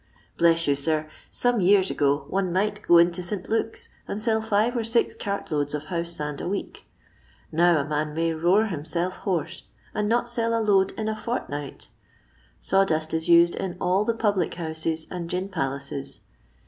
Bless yon, sir, some years ago, one might go into SL Luke's, and sell five or six cart loads of hooM* sand a week ; now, a man may roar himielf hoarse, and not sell a load in a fortnight Ss*^' dust i3 used in all the public houses and gio* palaces.